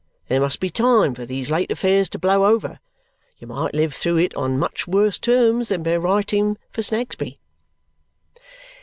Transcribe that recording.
There must be time for these late affairs to blow over. You might live through it on much worse terms than by writing for Snagsby."